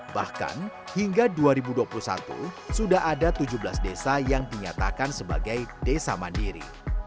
bahkan hingga dua ribu dua puluh satu sudah ada tujuh belas desa yang dinyatakan sebagai desa mandiri